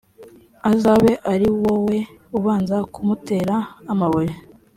azabe ari wowe ubanza kumutera amabuye